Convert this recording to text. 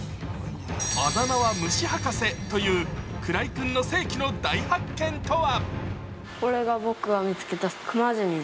あだ名は虫博士という鞍井くんの世紀の大発見とは。